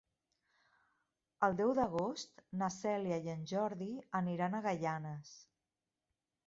El deu d'agost na Cèlia i en Jordi aniran a Gaianes.